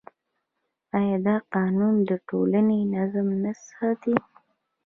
آیا دا قانون د ټولنې نظم نه ساتي؟